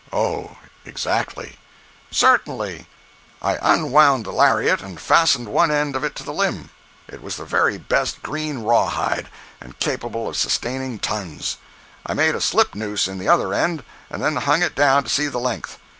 "Oh—exactly." "Certainly. I unwound the lariat, and fastened one end of it to the limb. It was the very best green raw hide, and capable of sustaining tons. I made a slip noose in the other end, and then hung it down to see the length.